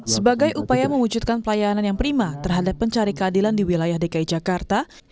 sebagai upaya mewujudkan pelayanan yang prima terhadap pencari keadilan di wilayah dki jakarta